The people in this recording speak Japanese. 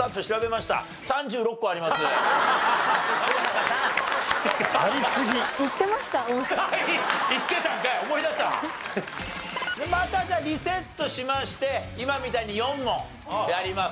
またじゃあリセットしまして今みたいに４問やります。